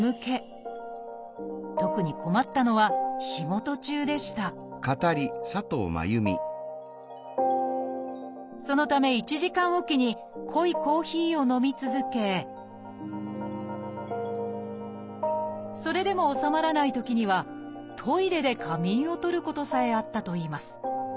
特に困ったのは仕事中でしたそのため１時間置きに濃いコーヒーを飲み続けそれでも治まらないときにはトイレで仮眠をとることさえあったといいます。